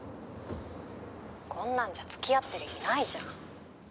「こんなんじゃ付き合ってる意味ないじゃん」